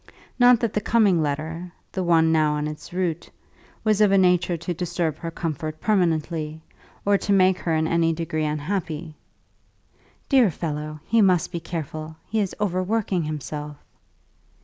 Not that the coming letter, the one now on its route, was of a nature to disturb her comfort permanently, or to make her in any degree unhappy. "Dear fellow; he must be careful, he is overworking himself."